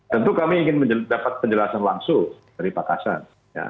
tentu kami ingin mendapatkan penjelasan langsung dari pak kasad